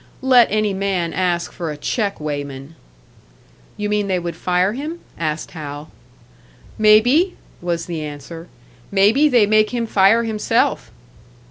Let any man ask for a check weighman! "You mean they would fire him?" asked Hal. "Maybe!" was the answer. "Maybe they make him fire himself."